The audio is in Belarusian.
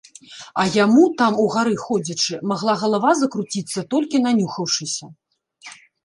А яму, там угары ходзячы, магла галава закруціцца толькі нанюхаўшыся.